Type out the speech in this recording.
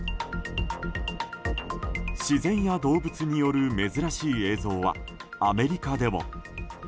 自然や動物による珍しい映像はアメリカでも。